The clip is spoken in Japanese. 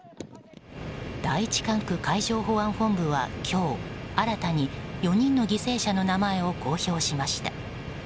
第１管区海上保安本部は今日新たに４人の犠牲者の名前を公表しました。